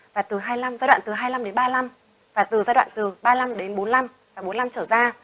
và giai đoạn từ hai mươi năm đến ba mươi năm và từ giai đoạn từ ba mươi năm đến bốn mươi năm và bốn mươi năm trở ra